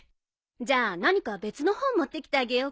じゃあ何か別の本持ってきてあげよっか。